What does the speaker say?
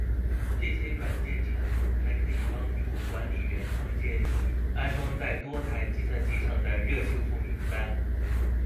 这些软件产品还可帮助管理员创建已安装在多台计算机上的热修复名单。